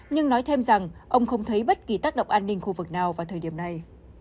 nhưng nói thêm rằng ông không thấy bất kỳ tác động an ninh khu vực nào vào thời điểm này